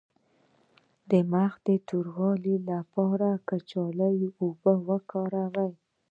د مخ د توروالي لپاره د کچالو اوبه وکاروئ